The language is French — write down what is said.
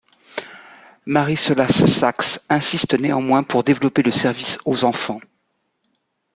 Mary Sollace Saxe insiste néanmoins pour développer le service aux enfants.